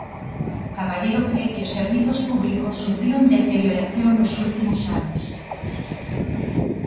Caballero cre que os servizos públicos sufriron deterioración nos últimos anos.